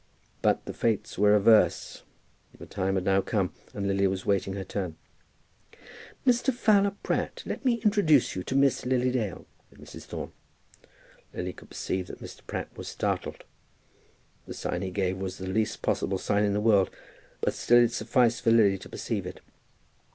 But the fates were averse. The time had now come, and Lily was waiting her turn. "Mr. Fowler Pratt, let me introduce you to Miss Lily Dale," said Mrs. Thorne. Lily could perceive that Mr. Pratt was startled. The sign he gave was the least possible sign in the world; but still it sufficed for Lily to perceive it.